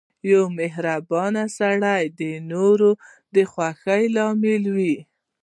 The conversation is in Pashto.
• یو مهربان سړی د نورو د خوښۍ لامل وي.